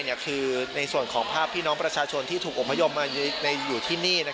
คือในส่วนของภาพพี่น้องประชาชนที่ถูกอบพยพมาอยู่ที่นี่